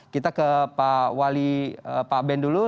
kita ke pak wali pak ben dulu